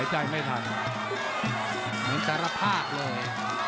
เหมือนสารภาพเลย